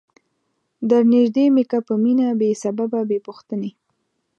در نیژدې می که په مینه بې سببه بې پوښتنی